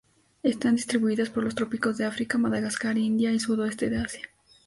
Están distribuidas por los trópicos de África, Madagascar, India y sudoeste de Asia.